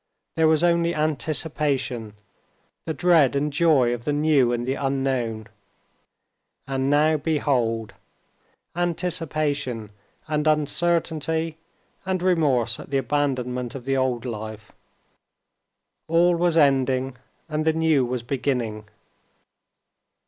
There was only anticipation, the dread and joy of the new and the unknown. And now behold—anticipation and uncertainty and remorse at the abandonment of the old life—all was ending, and the new was beginning.